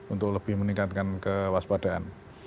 untuk lebih meningkatkan kewaspadaan